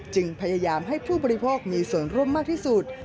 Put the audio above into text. จึงพยายามให้ผู้บริโภคมีส่วนร่วมมากที่สุด